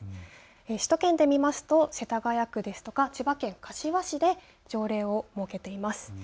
首都圏で見ますと世田谷区ですとか千葉県柏市で条例を設けています。